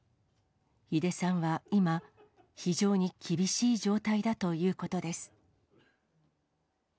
井出さんは今、非常に厳しい状態だということです。